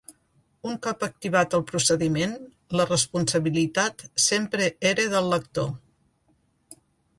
Un cop activat el procediment, la responsabilitat sempre era del lector.